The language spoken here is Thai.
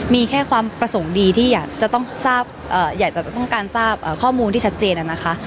มีแค่ความประสงค์ดีที่อยากจะต้องการทราบข้อมูลที่ชัดเจน